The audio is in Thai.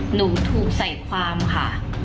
หนูถูกใส่ความค่ะ